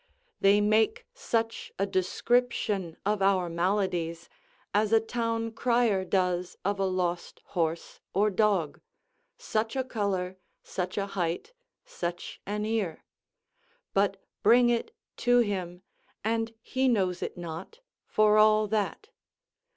They make such a description of our maladies as a town crier does of a lost horse or dog such a color, such a height, such an ear but bring it to him and he knows it not, for all that.